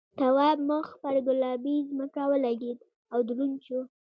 تواب مخ پر گلابي ځمکه ولگېد او دروند شو.